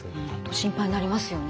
心配になりますよね。